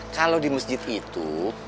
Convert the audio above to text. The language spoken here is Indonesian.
kalau di masjid itu